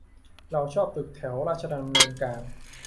เราชอบตึกแถวราชดำเนินกลาง